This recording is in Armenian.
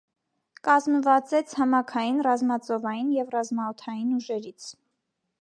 Կազմված է ցամաքային, ռազմածովային և ռազմաօդային ուժերից։